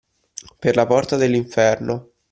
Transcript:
Per la porta dell’inferno